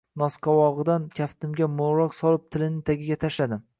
Nosqovog‘idan kaftiga mo‘lroq solib tilining tagiga tashlaydi.